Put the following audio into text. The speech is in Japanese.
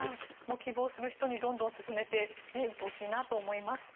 希望する人にどんどん進めていってほしいなと思います。